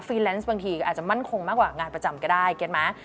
แลนซ์บางทีก็อาจจะมั่นคงมากกว่างานประจำก็ได้เขียนไหม